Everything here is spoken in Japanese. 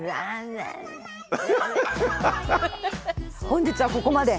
本日はここまで。